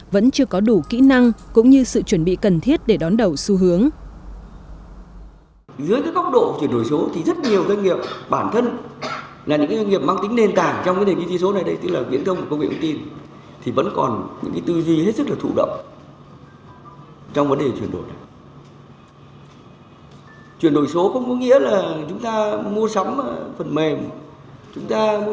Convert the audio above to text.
vẫn chưa có đủ kỹ năng cũng như sự chuẩn bị cần thiết để đón đầu xu hướng